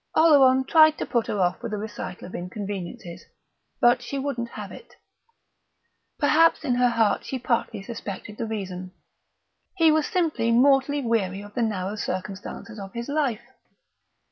Oleron tried to put her off with a recital of inconveniences, but she wouldn't have it. Perhaps in her heart she partly suspected the reason. He was simply mortally weary of the narrow circumstances of his life.